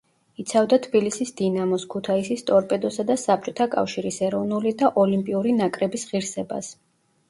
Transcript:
იცავდა თბილისის „დინამოს“, ქუთაისის „ტორპედოსა“ და საბჭოთა კავშირის ეროვნული და ოლიმპიური ნაკრების ღირსებას.